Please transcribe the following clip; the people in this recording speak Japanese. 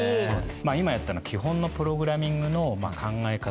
今やった基本のプログラミングの考え方